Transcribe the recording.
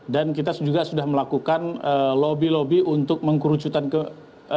dan kita juga sudah melakukan lobby lobby untuk mengkerucutkan ke